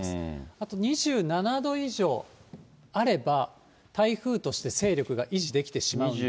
あと２７度以上あれば、台風として勢力が維持できてしまうんですが。